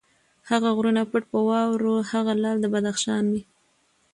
هغه غرونه پټ په واورو، هغه لعل د بدخشان مي